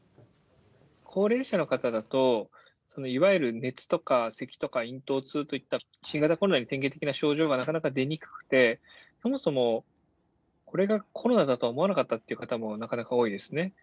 高齢者の方だと、いわゆる熱とか、せきとか、いん頭痛といった新型コロナに典型的な症状がなかなか出にくくて、そもそもこれがコロナだとは思わなかったという方もなかなか多いですね。